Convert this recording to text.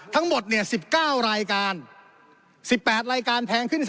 ทั้งหมด๑๙รายการ๑๘รายการแพงขึ้น